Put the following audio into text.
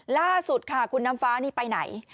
ล่าสุดค่ะคุณน้ำฟ้านี่ไปไหน